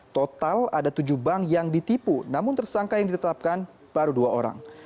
total ada tujuh bank yang ditipu namun tersangka yang ditetapkan baru dua orang